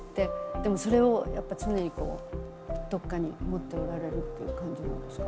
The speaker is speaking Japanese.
でもそれをやっぱ常にこうどっかに持っておられるっていう感じなんですか？